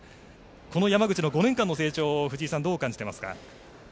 この山口の５年間の成長を藤井さん、どう感じていますか？